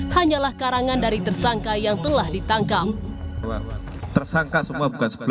hanyalah karangan dari tersangka yang telah ditangkap